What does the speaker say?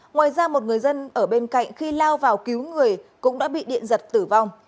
ngoài ra một người dân ở bên cạnh khi lao vào cứu người cũng đã bị điện giật tử vong